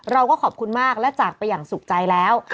เราก็ขอบคุณมากและจากไปอย่างสุขใจแล้ว